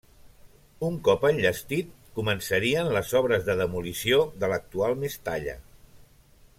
Un cop enllestit, començarien les obres de demolició de l'actual Mestalla.